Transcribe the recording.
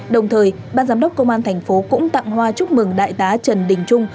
đồng thời ban giám đốc công an thành phố cũng tặng hoa chúc mừng đại tá trần đình trung